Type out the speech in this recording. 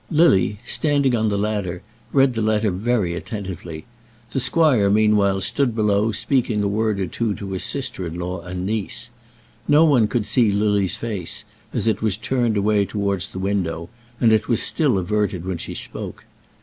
Lily, standing on the ladder, read the letter very attentively. The squire meanwhile stood below speaking a word or two to his sister in law and niece. No one could see Lily's face, as it was turned away towards the window, and it was still averted when she spoke.